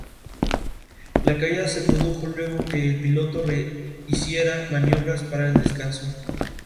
La caída se produjo luego de que el piloto hiciera maniobras para el descenso.